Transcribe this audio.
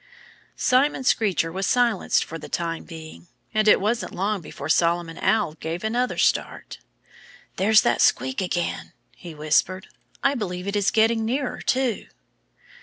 Simon Screecher was silenced for the time being. And it wasn't long before Solomon Owl gave another start. "There's that squeak again!" he whispered. "I believe it is getting nearer, too."